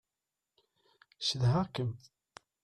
Cedhaɣ-kem.